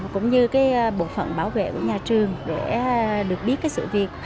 cũng như bộ phận bảo vệ của nhà trường để được biết cái sự việc